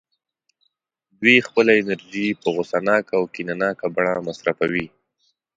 دوی خپله انرژي په غوسه ناکه او کینه ناکه بڼه مصرفوي